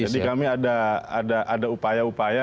jadi kami ada upaya upaya